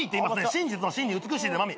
真実の真に美しいで真美。